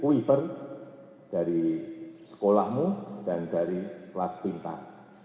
swiper dari sekolahmu dan dari kelas pintar